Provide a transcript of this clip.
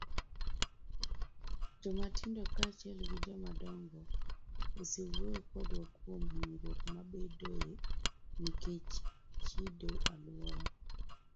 Jomatindo kaachiel gi jomadongo osewuoyo kodwa kuom hinyruok mabedoe nikech chido alwora.